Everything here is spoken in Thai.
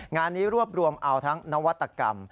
งานนี้รวบรวมเอาทั้งนวัตกรรม